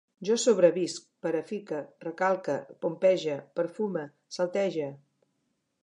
Jo sobrevisc, parifique, recalque, pompege, perfume, saltege